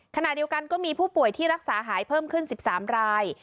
ขณะเดียวกันก็มีผู้ป่วยที่รักษาหายเพิ่มขึ้น๑๓ราย